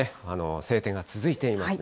晴天が続いていますね。